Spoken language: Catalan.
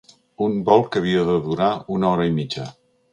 Un vol que havia de durar una hora i mitja.